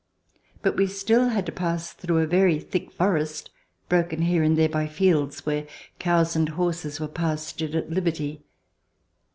But we still had to pass through a very thick forest, broken here and there by fields where cows and horses were pastured at liberty.